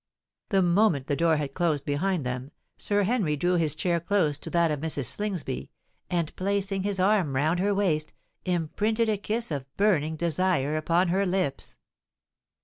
The moment the door had closed behind them, Sir Henry drew his chair close to that of Mrs. Slingsby, and, placing his arm round her waist, imprinted a kiss of burning desire upon her lips.